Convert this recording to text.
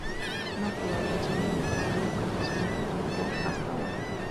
No creo haber experimentado nunca eso en "Doctor Who" hasta ahora...